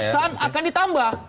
utusan akan ditambah